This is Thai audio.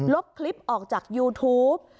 บคลิปออกจากยูทูป